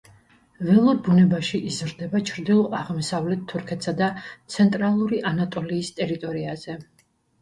ველურ ბუნებაში იზრდება ჩრდილო-აღმოსავლეთ თურქეთსა და ცენტრალური ანატოლიის ტერიტორიაზე.